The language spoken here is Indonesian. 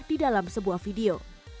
di dalam sebuah video